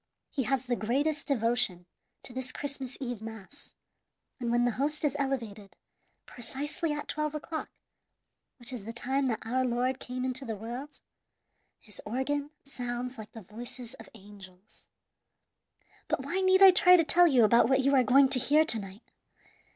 He has the greatest devotion to this Christmas Eve mass, and when the host is elevated, precisely at twelve o'clock, which is the time that Our Lord came into the world, his organ sounds like the voices of angels. "But why need I try to tell you about what you are going to hear to night?